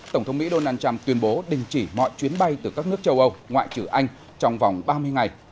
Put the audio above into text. tổng thống mỹ donald trump tuyên bố đình chỉ mọi chuyến bay từ các nước châu âu ngoại trừ anh trong vòng ba mươi ngày